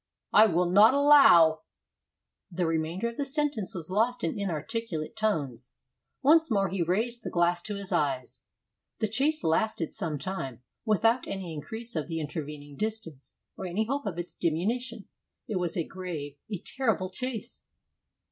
I will not allow " The remainder of the sentence was lost in inarticulate tones. Once more he raised the glass to his eyes. The chase lasted some time, without any increase of the intervening distance, or any hope of its diminution. It was a grave, a terrible chase.